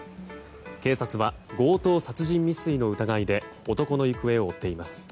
警察は、強盗殺人未遂の疑いで男の行方を追っています。